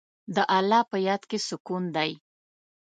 د الله په یاد کې سکون دی.